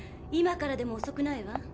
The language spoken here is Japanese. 今からでもおそくないわ。